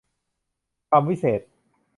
คำวิเศษณ์